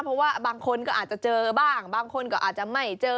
เพราะว่าบางคนก็อาจจะเจอบ้างบางคนก็อาจจะไม่เจอ